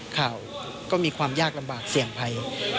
ข่าวก็มีความยากลำบากเสี่ยงภัย